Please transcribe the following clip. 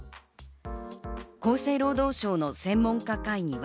厚生労働省の専門家会議は。